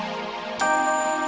sampai jumpa lagi